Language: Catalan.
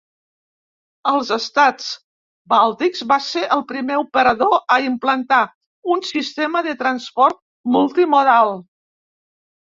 Als estats bàltics va ser el primer operador a implantar un sistema de transport multimodal.